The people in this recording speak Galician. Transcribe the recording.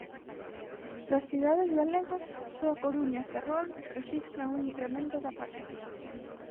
Das cidades galegas só A Coruña e Ferrol rexistran un incremento da participación.